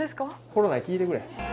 コロナに聞いてくれ。